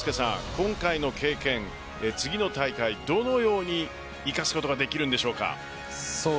今回の経験、次の大会どのように生かすことができるんでしょうか。